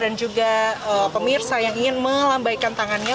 dan juga pemirsa yang ingin melambaikan tangannya